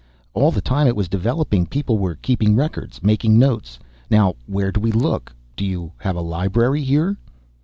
All the time it was developing, people were keeping records, making notes. Now where do we look? Do you have a library here?"